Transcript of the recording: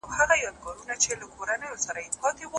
استاد له خپل محصل څخه د پرله پسې او منظم کار غوښتنه وکړه.